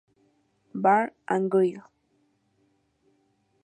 Bar and Grill.